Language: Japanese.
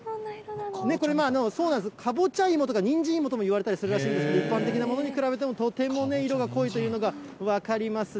これ、そうなんです、カボチャ芋とかニンジン芋とかいわれたりするんですが、一般的なものに比べても、とてもね、色が濃いというのが分かりますね。